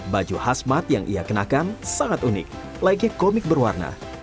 baju khas mat yang ia kenakan sangat unik layaknya komik berwarna